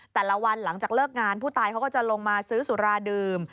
แต่ละวันหลังจากเลิกงานผู้ตายเขาก็จะลงมาซื้อสุราดื่ม